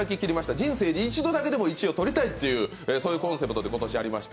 人生で一度だけでも１位を取りたいというコンセプトで今年やりました。